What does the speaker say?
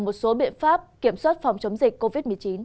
một số biện pháp kiểm soát phòng chống dịch covid một mươi chín